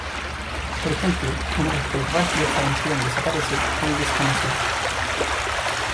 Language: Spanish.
Por ejemplo, una vez que el rash del sarampión desaparece, hay descamación.